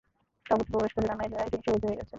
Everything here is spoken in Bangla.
তাঁবুতে প্রবেশ করে জানা যায় তিনি শহীদ হয়ে গেছেন।